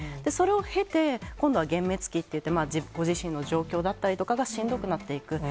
それを経て、今度は幻滅期っていって、ご自身の状況だったりとかがしんどくなっていく。